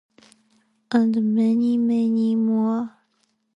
And many many more.